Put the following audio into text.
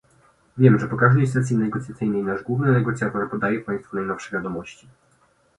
Wiem, że po każdej sesji negocjacyjnej nasz główny negocjator podaje Państwu najnowsze wiadomości